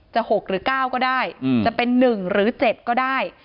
๖หรือ๙ก็ได้จะเป็น๑หรือ๗ก็ได้